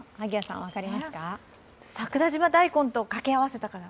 桜島大根と掛け合わせたから？